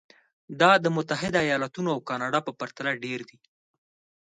دا د متحده ایالتونو او کاناډا په پرتله ډېر دي.